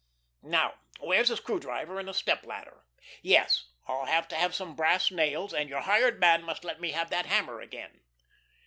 Now where's a screw driver, and a step ladder? Yes, and I'll have to have some brass nails, and your hired man must let me have that hammer again."